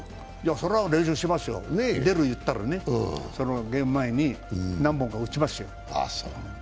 それは練習しますよ出る言ったらね、ゲーム前に何本か打ちますよ。